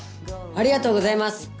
ありがとうございます！